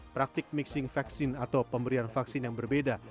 praktik mixing vaksin atau pemberian vaksin yang berbeda